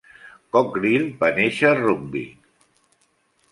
Cockerill va néixer a Rugby.